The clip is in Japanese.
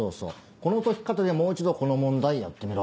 この解き方でもう一度この問題やってみろ。